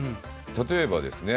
例えばですねはい。